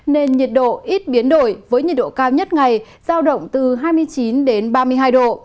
nên nhiệt độ ít biến đổi với nhiệt độ cao nhất ngày giao động từ hai mươi chín ba mươi hai độ